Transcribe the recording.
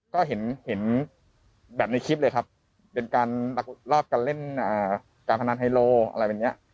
ก็เห็นแบบในคลิปเลยครับเป็นการรักรอบการเล่นการพนันไฮโลอะไรแบบนี้